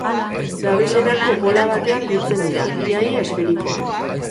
Babeserako bola batean biltzen dira, ia-ia esferikoa.